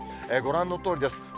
ご覧のとおりです。